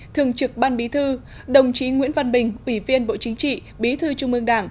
thường trực ban bí thư đồng chí nguyễn văn bình ủy viên bộ chính trị bí thư trung ương đảng